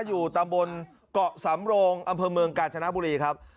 อยู่ตำบลเกาะสำโรงอำเภอเมืองกาญจนบุรีครับ